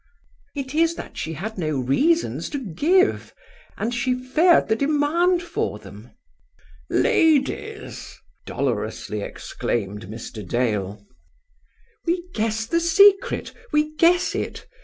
"It is that she had no reasons to give, and she feared the demand for them." "Ladies!" dolorously exclaimed Mr. Dale. "We guess the secret, we guess it!"